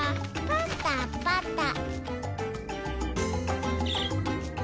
パタパタ。